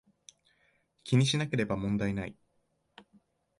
気にしなければ問題無い